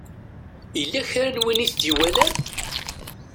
Yella kra n win i t-iwalan?